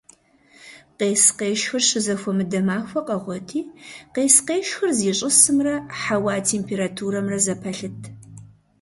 Къес-къешхыр щызэхуэмыдэ махуэ къэгъуэти къес-къешхыр зищӀысымрэ хьэуа температурэмрэ зэпэлъыт.